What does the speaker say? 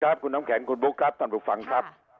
ครับคุณน้ำแข็งคุณบุ๊คครับท่านผู้ฟังครับ